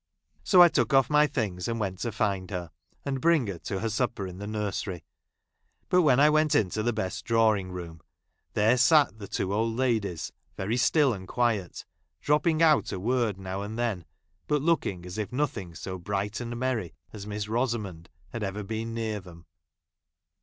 So I took off my things and went to find her, and bring her to her supper in the nursery. But when I went into the best drawing room, there sat the two old ladies, very still and quiet, drop¬ ping out a word now and then, but looking as if nothing so bright and meny ;is Miss Rosa¬ mond had ever been near them.